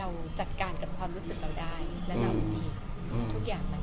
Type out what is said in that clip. เราจัดการควรสิทธิ์เราได้